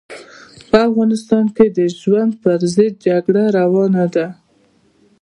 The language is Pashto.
په افغانستان کې د ژوند پر ضد جګړه روانه ده.